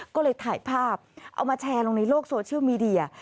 ก็เลยถ่ายภาพเอามาแชร์ลงในโลกโซเชียลมีเดีย